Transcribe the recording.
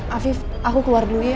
afif aku keluar dulu ya